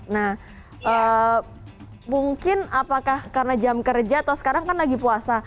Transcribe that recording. nah mungkin apakah karena jam kerja atau sekarang kan lagi puasa